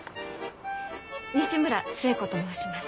西村寿恵子と申します。